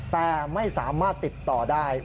แต่ไม่สามารถติดต่อได้